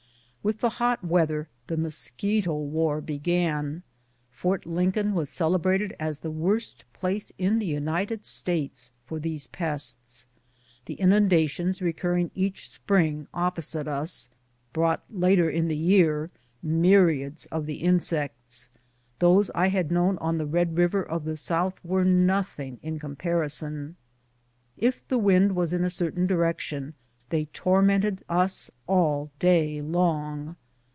With the hot weather the mosquito war began — Fort Lincoln was celebrated as the worst place in the United States for these pests. The inundations recurring each spring opposite us, brought later in the year myriads of the insects ; those I had known on the Red Hiver of the South were nothing in comparison. If the wind was in a certain direction, they tormented us all day long.